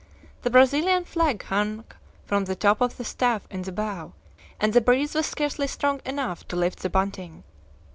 The Brazilian flag hung from the top of the staff in the bow, and the breeze was scarcely strong enough to lift the bunting.